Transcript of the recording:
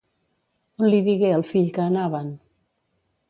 On li digué el fill que anaven?